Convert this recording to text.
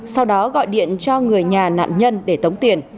sau đó gọi điện cho người nhà nạn nhân để tống tiền